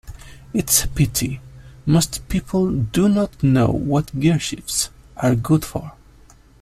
It's a pity most people do not know what gearshifts are good for.